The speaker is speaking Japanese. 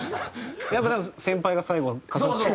やっぱ先輩が最後飾って。